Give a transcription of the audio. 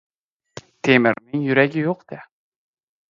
Temirning yuragi yo‘q-da!